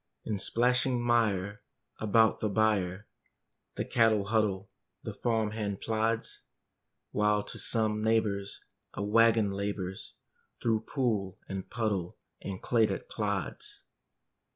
In splashing mire about the byre The cattle huddle, the farm hand plods; While to some neighbor's a wagon labors Through pool and puddle and clay that clods.